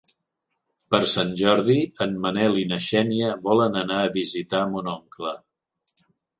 Per Sant Jordi en Manel i na Xènia volen anar a visitar mon oncle.